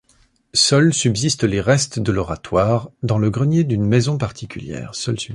Seul subsiste les restes de l'oratoire dans le grenier d'une maison particulière.